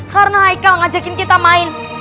karena haikal ngajakin kita main